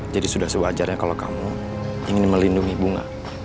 jadi sudah sewajarnya kalau kamu ingin melindungi buma